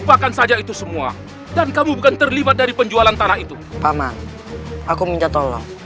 program kerja sukses berbahaya dan pemasukan hal dan kehendak ket renew gedu fasah tiga video v badass com th